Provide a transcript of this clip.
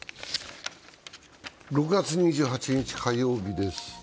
６月２８日火曜日です。